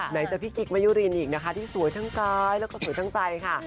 ไหนจะพี่จิ๊กมายุรินอีกนะคะที่สวยทั้งกายแล้วก็สวยทั้งใจค่ะ